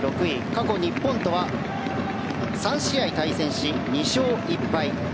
過去、日本とは３試合対戦し２勝１敗です。